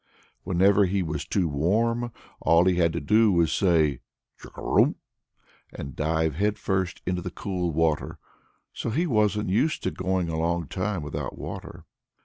Whenever he was too warm, all he had to do was to say "Chugarum!" and dive head first into the cool water. So he wasn't used to going a long time without water.